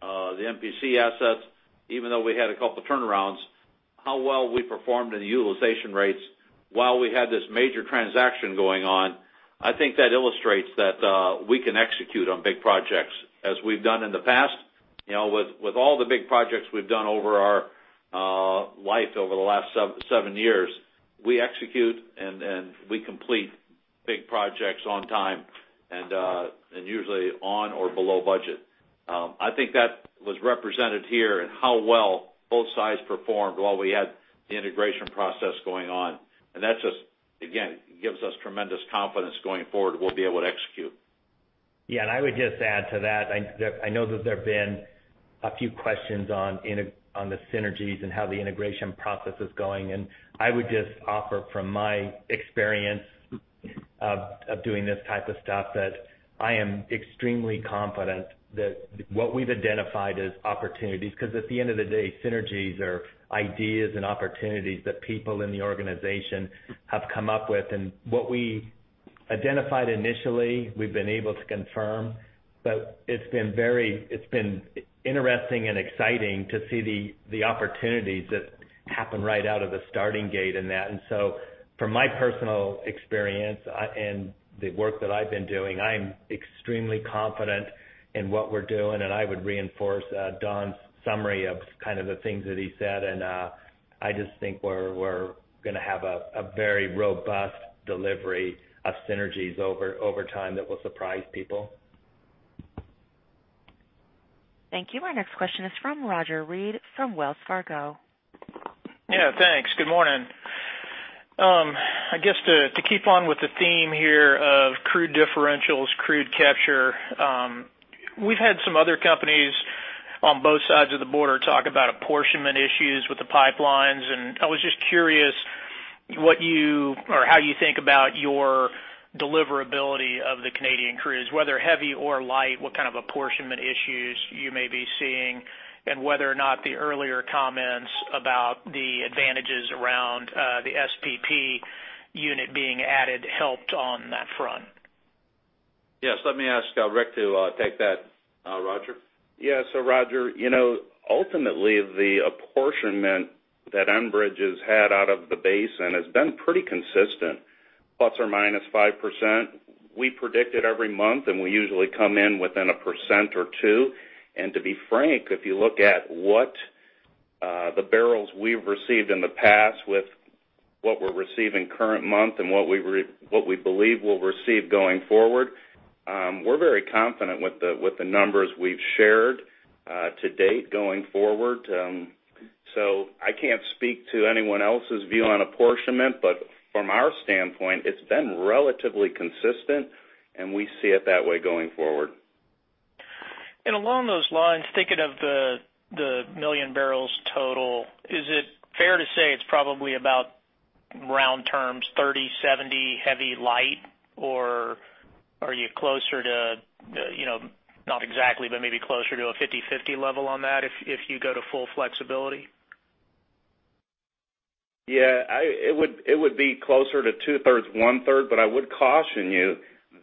the MPC assets, even though we had a couple turnarounds, how well we performed in the utilization rates while we had this major transaction going on, I think that illustrates that we can execute on big projects as we've done in the past. With all the big projects we've done over our life over the last seven years, we execute and we complete big projects on time and usually on or below budget. I think that was represented here in how well both sides performed while we had the integration process going on. That just, again, gives us tremendous confidence going forward we'll be able to execute. I would just add to that, I know that there have been a few questions on the synergies and how the integration process is going, I would just offer from my experience of doing this type of stuff that I am extremely confident that what we've identified as opportunities, because at the end of the day, synergies are ideas and opportunities that people in the organization have come up with. What we identified initially, we've been able to confirm, but it's been interesting and exciting to see the opportunities that happen right out of the starting gate in that. From my personal experience and the work that I've been doing, I am extremely confident in what we're doing, and I would reinforce Don's summary of kind of the things that he said, and I just think we're going to have a very robust delivery of synergies over time that will surprise people. Thank you. Our next question is from Roger Read from Wells Fargo. Yeah, thanks. Good morning. I guess to keep on with the theme here of crude differentials, crude capture. We've had some other companies on both sides of the border talk about apportionment issues with the pipelines, and I was just curious how you think about your deliverability of the Canadian crudes, whether heavy or light, what kind of apportionment issues you may be seeing, and whether or not the earlier comments about the advantages around the SPP unit being added helped on that front. Yes. Let me ask Rick to take that, Roger. Roger, ultimately the apportionment that Enbridge has had out of the basin has been pretty consistent, plus or minus 5%. We predict it every month, and we usually come in within a percent or 2. To be frank, if you look at what the barrels we've received in the past with what we're receiving current month and what we believe we'll receive going forward, we're very confident with the numbers we've shared to date going forward. I can't speak to anyone else's view on apportionment, but from our standpoint, it's been relatively consistent, and we see it that way going forward. Along those lines, thinking of the million barrels total, is it fair to say it's probably about round terms 30/70, heavy/light, or are you closer to, not exactly, but maybe closer to a 50/50 level on that if you go to full flexibility? Yeah. It would be closer to two-thirds, one-third, but I would caution you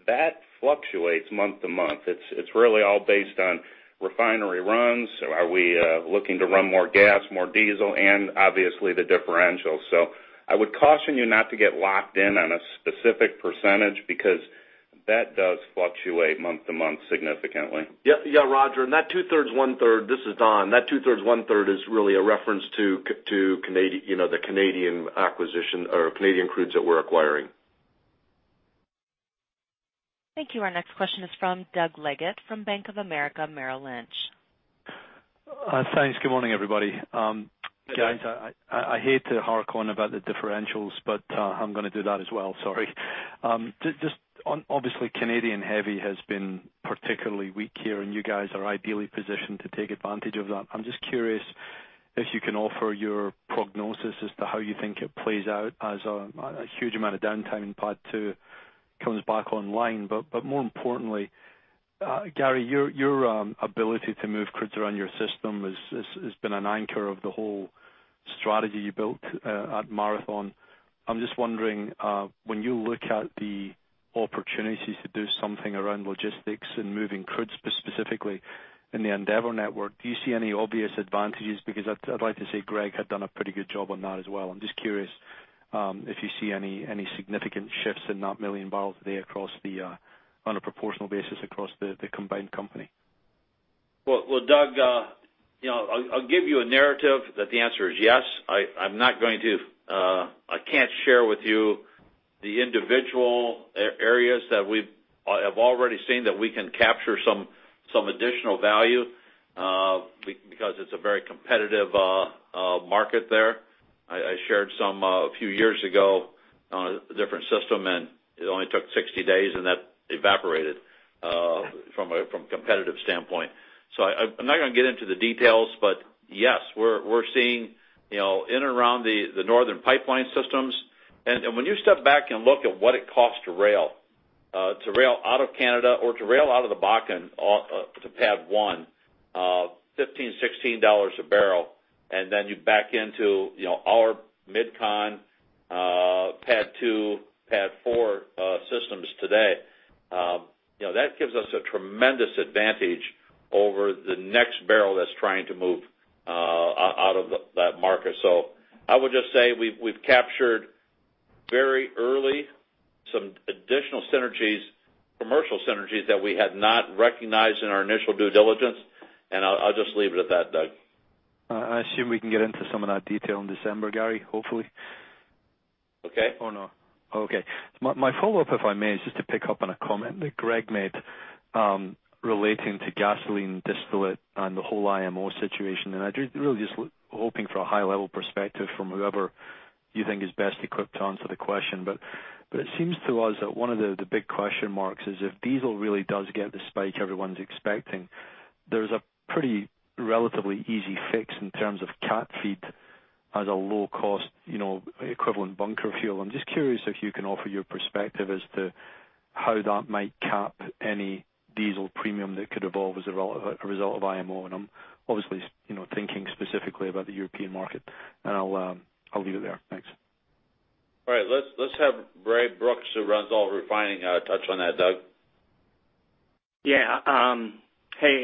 that fluctuates month to month. It's really all based on refinery runs. Are we looking to run more gas, more diesel, and obviously the differential. I would caution you not to get locked in on a specific %, because that does fluctuate month to month significantly. Yeah. Roger, that two-thirds, one-third. This is Don. That two-thirds, one-third is really a reference to the Canadian acquisition or Canadian crudes that we're acquiring. Thank you. Our next question is from Doug Leggate from Bank of America Merrill Lynch. Thanks. Good morning, everybody. Guys, I hate to harpoon about the differentials, I'm going to do that as well. Sorry. Obviously, Canadian heavy has been particularly weak here, and you guys are ideally positioned to take advantage of that. I'm just curious if you can offer your prognosis as to how you think it plays out as a huge amount of downtime in PADD 2 comes back online. More importantly, Gary, your ability to move crudes around your system has been an anchor of the whole strategy you built at Marathon. I'm just wondering, when you look at the opportunities to do something around logistics and moving crudes specifically in the Andeavor network, do you see any obvious advantages? Because I'd like to say Greg had done a pretty good job on that as well. I'm just curious if you see any significant shifts in that million barrels a day on a proportional basis across the combined company. Doug, I'll give you a narrative that the answer is yes. I can't share with you the individual areas that we have already seen that we can capture some additional value, because it's a very competitive market there. I shared some a few years ago on a different system, it only took 60 days, that evaporated from a competitive standpoint. I'm not going to get into the details. Yes, we're seeing in and around the northern pipeline systems. When you step back and look at what it costs to rail out of Canada or to rail out of the Bakken to PADD 1, $15, $16 a barrel, then you back into our MidCon PADD 2, PADD 4 systems today. That gives us a tremendous advantage over the next barrel that's trying to move out of that market. I would just say we've captured very early some additional synergies, commercial synergies that we had not recognized in our initial due diligence, and I'll just leave it at that, Doug. I assume we can get into some of that detail in December, Gary, hopefully. Okay. No? Okay. My follow-up, if I may, is just to pick up on a comment that Greg made relating to gasoline distillate and the whole IMO situation, I really just hoping for a high level perspective from whoever you think is best equipped to answer the question. It seems to us that one of the big question marks is if diesel really does get the spike everyone's expecting, there's a pretty relatively easy fix in terms of cat feed as a low cost equivalent bunker fuel. I'm just curious if you can offer your perspective as to how that might cap any diesel premium that could evolve as a result of IMO, I'm obviously thinking specifically about the European market, and I'll leave it there. Thanks. All right. Let's have Ray Brooks, who runs all refining, touch on that, Doug. Yeah. Hey,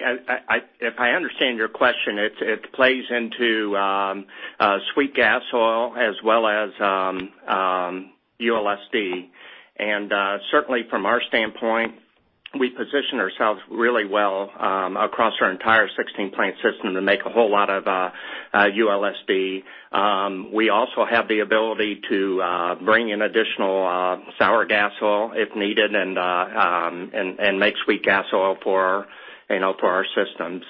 if I understand your question, it plays into sweet gas oil as well as ULSD. Certainly from our standpoint, we position ourselves really well across our entire 16-plant system to make a whole lot of ULSD. We also have the ability to bring in additional sour gas oil if needed and make sweet gas oil for our system.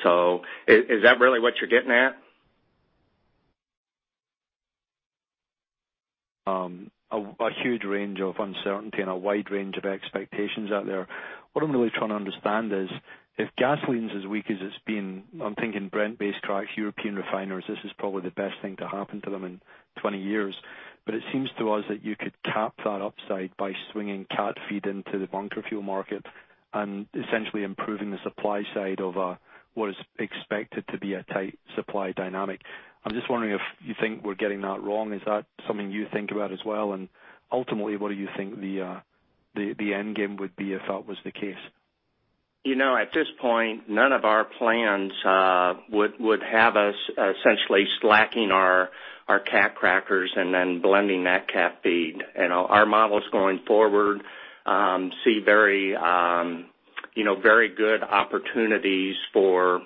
Is that really what you're getting at? A huge range of uncertainty and a wide range of expectations out there. What I'm really trying to understand is, if gasoline's as weak as it's been, I'm thinking Brent-based crack European refiners, this is probably the best thing to happen to them in 20 years. It seems to us that you could cap that upside by swinging cat feed into the bunker fuel market and essentially improving the supply side of what is expected to be a tight supply dynamic. I'm just wondering if you think we're getting that wrong. Is that something you think about as well? Ultimately, what do you think the endgame would be if that was the case? At this point, none of our plans would have us essentially slacking our cat crackers and then blending that cat feed. Our models going forward see very good opportunities for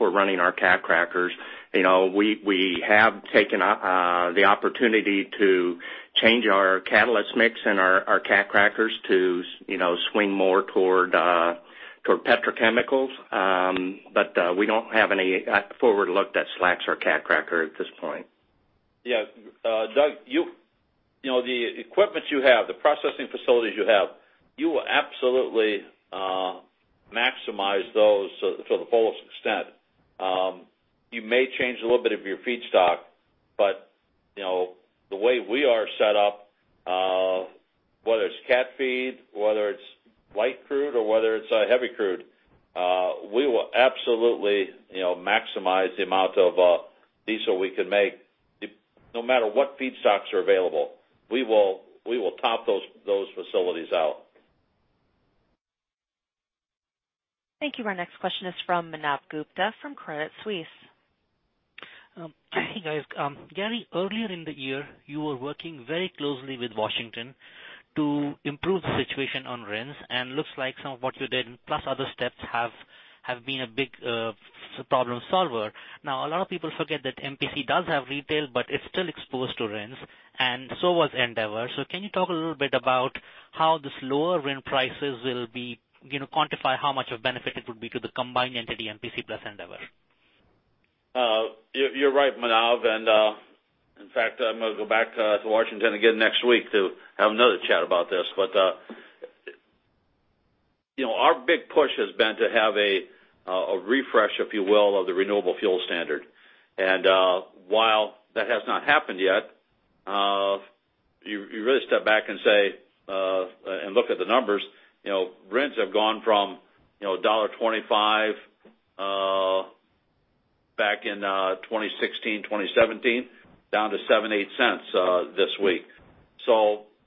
running our cat crackers. We have taken the opportunity to change our catalyst mix and our cat crackers to swing more toward petrochemicals. We don't have any forward look that slacks our cat cracker at this point. Yeah. Doug, the equipment you have, the processing facilities you have, you will absolutely maximize those to the fullest extent. You may change a little bit of your feedstock, but the way we are set up, whether it's cat feed, whether it's light crude or whether it's heavy crude, we will absolutely maximize the amount of diesel we can make. No matter what feedstocks are available, we will top those facilities out. Thank you. Our next question is from Manav Gupta from Credit Suisse. Hey, guys. Gary, earlier in the year, you were working very closely with Washington to improve the situation on RINs, looks like some of what you did, plus other steps, have been a big problem solver. A lot of people forget that MPC does have retail, but it's still exposed to RINs, and so was Andeavor. Can you talk a little bit about how these lower RIN prices will quantify how much of benefit it would be to the combined entity, MPC plus Andeavor. You're right, Manav. In fact, I'm going to go back to Washington again next week to have another chat about this. Our big push has been to have a refresh, if you will, of the Renewable Fuel Standard. While that has not happened yet, you really step back and look at the numbers. RINs have gone from $1.25 back in 2016, 2017, down to $0.78 this week.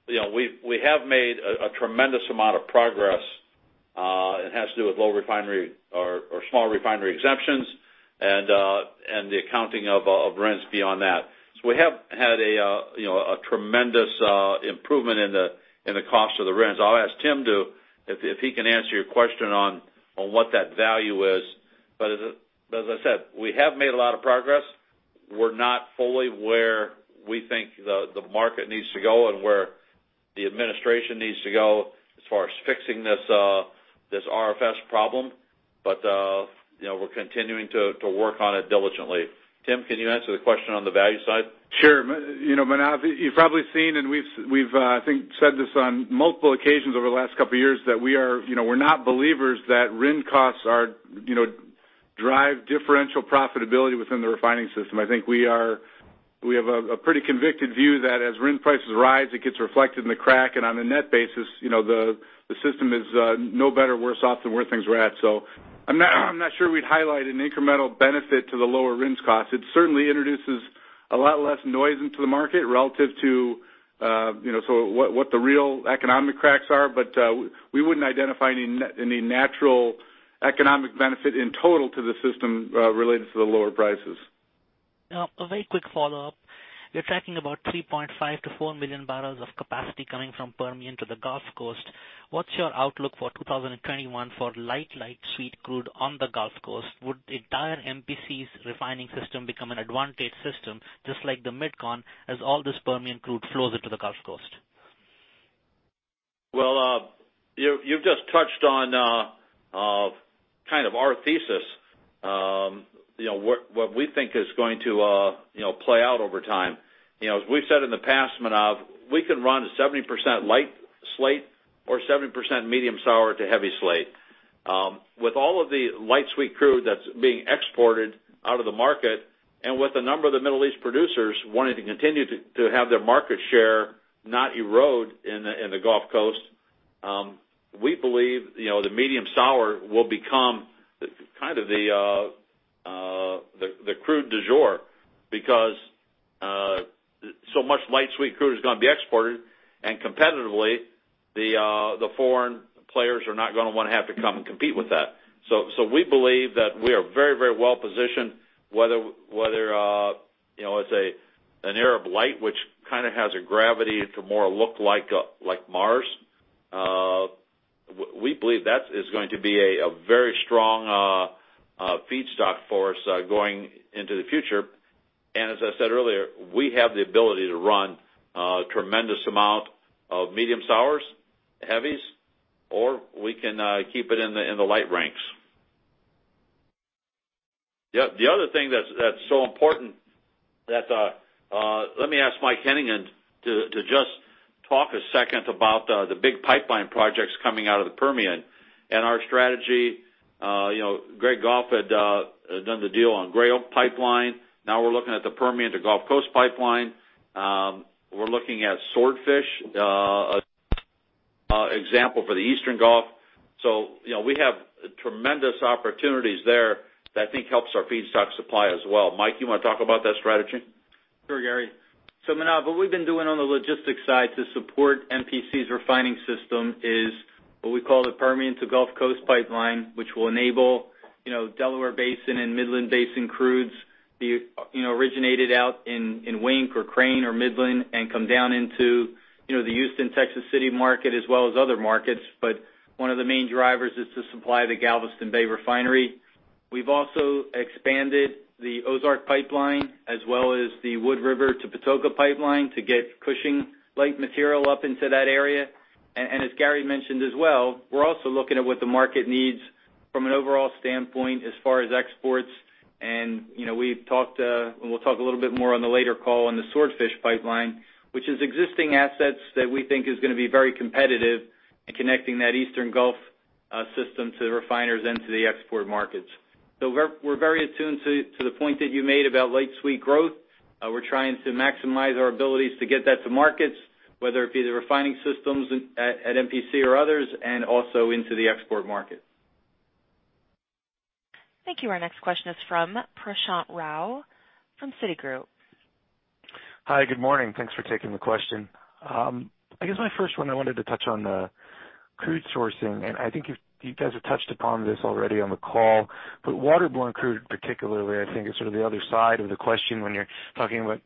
We have made a tremendous amount of progress. It has to do with low refinery or small refinery exemptions and the accounting of RINs beyond that. We have had a tremendous improvement in the cost of the RINs. I'll ask Tim if he can answer your question on what that value is. As I said, we have made a lot of progress. We're not fully where we think the market needs to go and where the administration needs to go as far as fixing this RFS problem. We're continuing to work on it diligently. Tim, can you answer the question on the value side? Sure. Manav, you've probably seen, and we've, I think, said this on multiple occasions over the last couple of years, that we're not believers that RIN costs drive differential profitability within the refining system. I think we have a pretty convicted view that as RIN prices rise, it gets reflected in the crack, and on a net basis, the system is no better, worse off than where things were at. I'm not sure we'd highlight an incremental benefit to the lower RINs cost. It certainly introduces a lot less noise into the market relative to what the real economic cracks are, we wouldn't identify any natural economic benefit in total to the system related to the lower prices. Now, a very quick follow-up. You're tracking about 3.5 million-4 million barrels of capacity coming from Permian to the Gulf Coast. What's your outlook for 2021 for light sweet crude on the Gulf Coast? Would the entire MPC's refining system become an advantage system just like the MidCon, as all this Permian crude flows into the Gulf Coast? Well, you've just touched on our thesis. What we think is going to play out over time. As we've said in the past, Manav, we can run 70% light slate or 70% medium sour to heavy slate. With all of the light sweet crude that's being exported out of the market, and with a number of the Middle East producers wanting to continue to have their market share not erode in the Gulf Coast, we believe the medium sour will become the crude du jour because so much light sweet crude is going to be exported, and competitively, the foreign players are not going to want to have to come and compete with that. We believe that we are very well positioned, whether it's an Arab Light, which has a gravity to more look like Mars. We believe that is going to be a very strong feedstock for us going into the future. As I said earlier, we have the ability to run a tremendous amount of medium sours, heavies, or we can keep it in the light ranks. The other thing that's so important, let me ask Mike Hennigan to just talk a second about the big pipeline projects coming out of the Permian and our strategy. Greg Goff had done the deal on Gray Oak Pipeline. Now we're looking at the Permian to Gulf Coast pipeline. We're looking at Swordfish, example for the Eastern Gulf. We have tremendous opportunities there that I think helps our feedstock supply as well. Mike, you want to talk about that strategy? Sure, Gary. Manav, what we've been doing on the logistics side to support MPC's refining system is what we call the Permian to Gulf Coast pipeline, which will enable Delaware Basin and Midland Basin crudes be originated out in Wink or Crane or Midland and come down into the Houston, Texas City market as well as other markets. One of the main drivers is to supply the Galveston Bay refinery. We've also expanded the Ozark Pipeline, as well as the Wood River to Patoka Pipeline to get Cushing light material up into that area. As Gary mentioned as well, we're also looking at what the market needs from an overall standpoint as far as exports. We'll talk a little bit more on the later call on the Swordfish Pipeline, which is existing assets that we think is going to be very competitive in connecting that eastern Gulf system to refiners into the export markets. We're very attuned to the point that you made about light sweet growth. We're trying to maximize our abilities to get that to markets, whether it be the refining systems at MPC or others, and also into the export market. Thank you. Our next question is from Prashant Rao from Citigroup. Hi, good morning. Thanks for taking the question. I wanted to touch on the crude sourcing. I think you guys have touched upon this already on the call, waterborne crude particularly. I think is sort of the other side of the question when you're talking about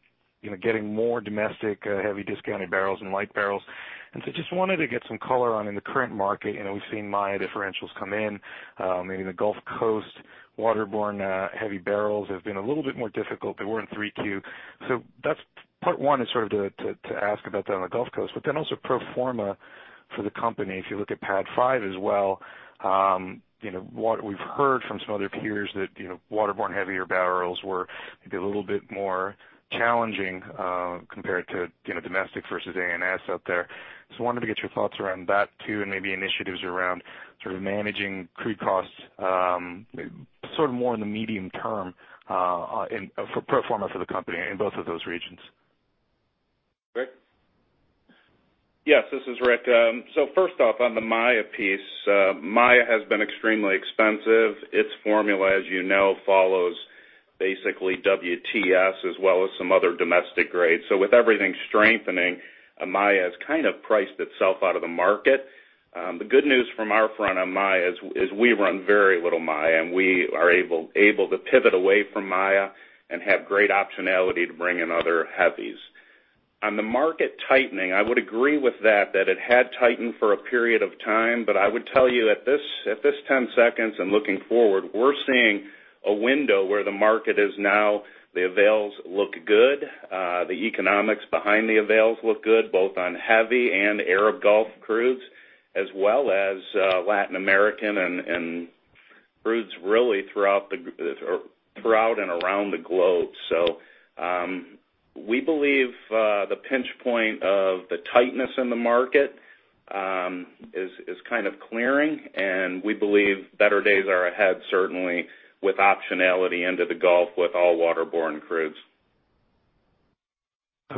getting more domestic heavy discounted barrels and light barrels. Just wanted to get some color on, in the current market, we've seen Maya differentials come in. Maybe the Gulf Coast waterborne heavy barrels have been a little bit more difficult. They were in 3Q. That's part one is sort of to ask about that on the Gulf Coast, also pro forma for the company. If you look at PADD 5 as well, what we've heard from some other peers that waterborne heavier barrels were maybe a little bit more challenging, compared to domestic versus ANS out there. Wanted to get your thoughts around that too, maybe initiatives around sort of managing crude costs, sort of more in the medium term, for pro forma for the company in both of those regions. Rick? Yes, this is Rick Hessling. First off, on the Maya piece, Maya has been extremely expensive. Its formula, as you know, follows basically WTS as well as some other domestic grades. With everything strengthening, Maya has kind of priced itself out of the market. The good news from our front on Maya is we run very little Maya, we are able to pivot away from Maya and have great optionality to bring in other heavies. On the market tightening, I would agree with that it had tightened for a period of time. I would tell you at this 10 seconds and looking forward, we're seeing a window where the market is now. The avails look good. The economics behind the avails look good, both on heavy and Arab Gulf crudes, as well as Latin American and crudes really throughout and around the globe. We believe the pinch point of the tightness in the market is kind of clearing, we believe better days are ahead, certainly with optionality into the Gulf with all waterborne crudes. I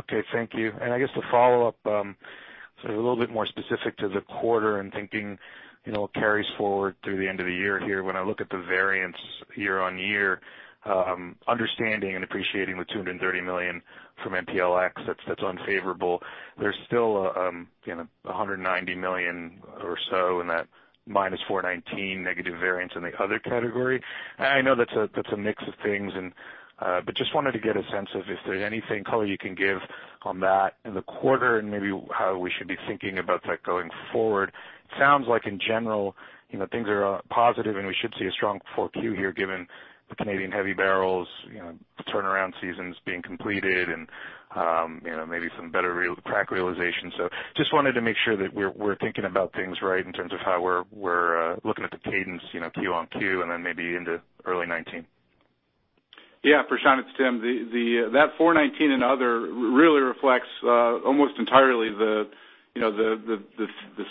guess to follow up, a little bit more specific to the quarter and thinking carries forward through the end of the year here. When I look at the variance year-over-year, understanding and appreciating the $230 million from MPLX, that's unfavorable. There's still $190 million or so in that minus $419 negative variance in the other category. I know that's a mix of things, but just wanted to get a sense of if there's anything color you can give on that in the quarter and maybe how we should be thinking about that going forward. Sounds like in general, things are positive, and we should see a strong 4Q here given the Canadian heavy barrels, the turnaround seasons being completed and maybe some better crack realization. Just wanted to make sure that we're thinking about things right in terms of how we're looking at the cadence quarter-over-quarter and then maybe into early 2019. Yeah, Prashant, it's Tim. That $419 and other really reflects almost entirely the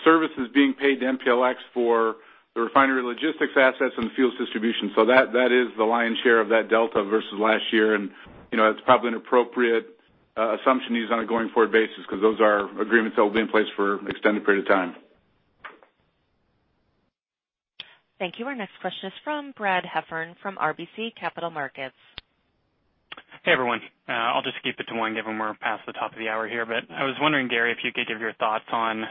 services being paid to MPLX for the refinery logistics assets and the fuels distribution. That is the lion's share of that delta versus last year, and that's probably an appropriate assumption used on a going forward basis because those are agreements that will be in place for extended period of time. Thank you. Our next question is from Brad Heffern from RBC Capital Markets. Hey, everyone. I'll just keep it to one, given we're past the top of the hour here. I was wondering, Gary, if you could give your thoughts on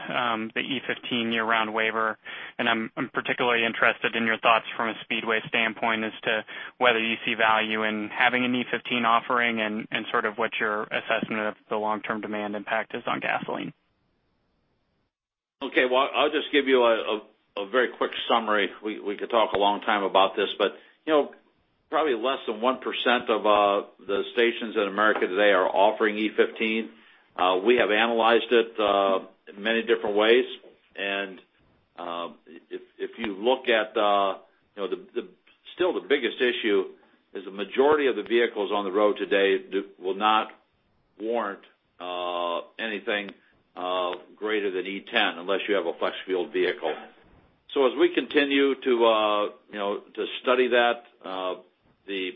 the E15 year-round waiver, and I'm particularly interested in your thoughts from a Speedway standpoint as to whether you see value in having an E15 offering and sort of what your assessment of the long-term demand impact is on gas. Okay. Well, I'll just give you a very quick summary. We could talk a long time about this, probably less than 1% of the stations in America today are offering E15. We have analyzed it in many different ways, if you look at the still the biggest issue is a majority of the vehicles on the road today will not warrant anything greater than E10 unless you have a flex fuel vehicle. As we continue to study that, the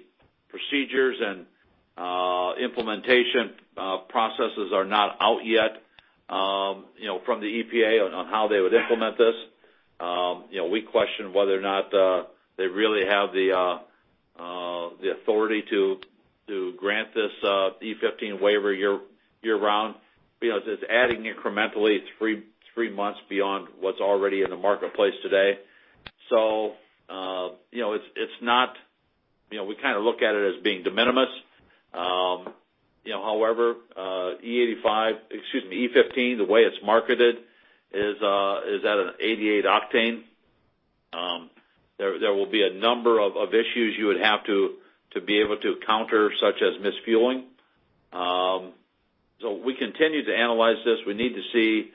procedures and implementation processes are not out yet from the EPA on how they would implement this. We question whether or not they really have the authority to grant this E15 waiver year-round. It's adding incrementally three months beyond what's already in the marketplace today. We look at it as being de minimis. However, E85, excuse me, E15, the way it's marketed is at an 88 octane. There will be a number of issues you would have to be able to counter, such as misfueling. We continue to analyze this. We need to see,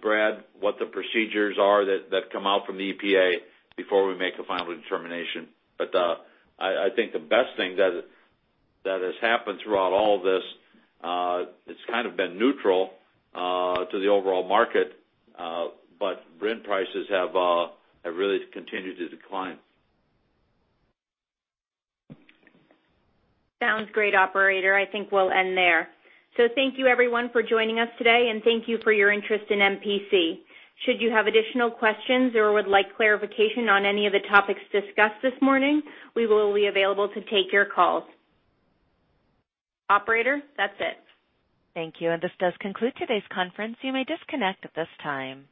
Brad, what the procedures are that come out from the EPA before we make a final determination. I think the best thing that has happened throughout all of this, it's kind of been neutral to the overall market. RIN prices have really continued to decline. Sounds great, operator. I think we'll end there. Thank you, everyone, for joining us today, and thank you for your interest in MPC. Should you have additional questions or would like clarification on any of the topics discussed this morning, we will be available to take your calls. Operator, that's it. Thank you. This does conclude today's conference. You may disconnect at this time.